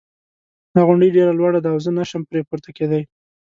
دا غونډی ډېره لوړه ده او زه نه شم پری پورته کېدای